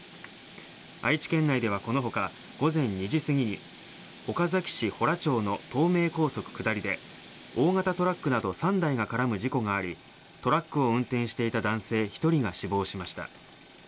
愛知県内ではこのほか午前２時過ぎに岡崎市洞町の東名高速下りで大型トラックなど３台が絡む事故がありトラックを運転していた男性１人が死亡しました。